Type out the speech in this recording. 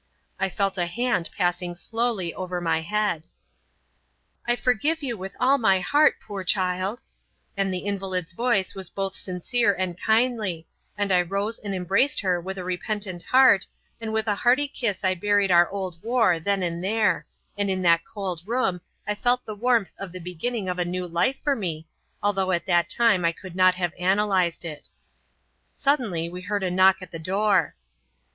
I felt a hand passing slowly over my head. "I forgive you with all my heart, poor child," and the invalid's voice was both sincere and kindly, and I rose and embraced her with a repentant heart, and with a hearty kiss I buried our old war then and there, and in that cold room I felt the warmth of the beginning of a new life for me although at that time I could not have analyzed it. Suddenly we heard a knock on the door.